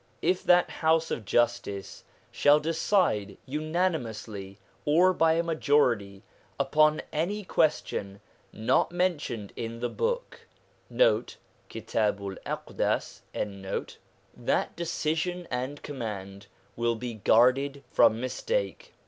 If that House of Justice shall decide unanimously, or by a majority, upon any question not mentioned in the Book, 1 that decision and command will be guarded from mistake.